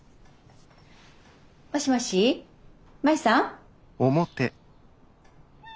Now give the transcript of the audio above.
もしもし麻衣さん。